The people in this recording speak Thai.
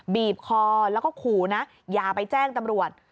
บีบคอแล้วก็ขู่นะอย่าไปแจ้งตำรวจ